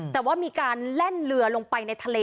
แต่ว่ามีการแล่นเรือลงไปในทะเล